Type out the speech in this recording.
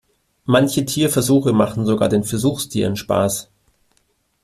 Manche Tierversuche machen sogar den Versuchstieren Spaß.